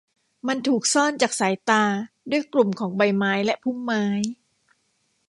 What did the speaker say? มันถูกซ่อนจากสายตาด้วยกลุ่มของใบไม้และพุ่มไม้